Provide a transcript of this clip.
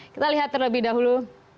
kita lihat terlebih dahulu